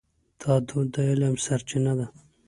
دا دود د علم سرچینه ده.